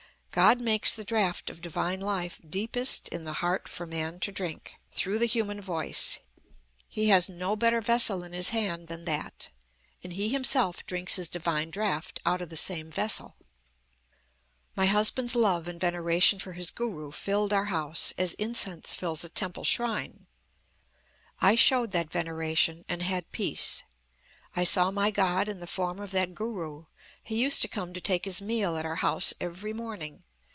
God makes the draught of divine life deepest in the heart for man to drink, through the human voice. He has no better vessel in His hand than that; and He Himself drinks His divine draught out of the same vessel. "My husband's love and veneration for his Guru filled our house, as incense fills a temple shrine. I showed that veneration, and had peace. I saw my God in the form of that Guru. He used to come to take his meal at our house every morning.